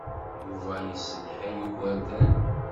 Yuba yessedhay igerdan.